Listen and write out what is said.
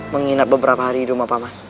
menginap beberapa hari di rumah pak man